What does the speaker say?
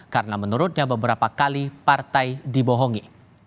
karena menurutnya beberapa kali partai dibohongi